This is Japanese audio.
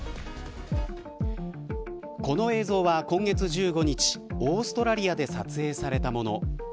この映像は今月１５日オーストラリアで撮影されたもの。